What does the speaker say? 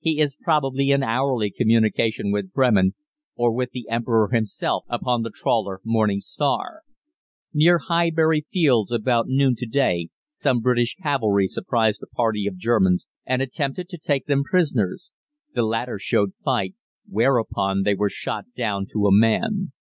He is probably in hourly communication with Bremen, or with the Emperor himself upon the trawler Morning Star. "Near Highbury Fields about noon to day some British cavalry surprised a party of Germans, and attempted to take them prisoners. The latter showed fight, whereupon they were shot down to a man.